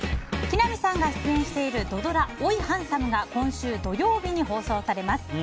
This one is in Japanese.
木南さんが出演している土ドラ「おいハンサム！！」が今週土曜日に放送されます。